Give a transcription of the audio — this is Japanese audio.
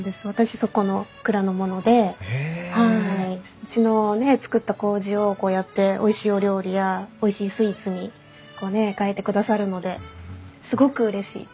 うちの造ったこうじをこうやっておいしいお料理やおいしいスイーツに変えてくださるのですごくうれしいです。